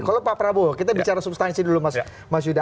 kalau pak prabowo kita bicara substansi dulu mas yuda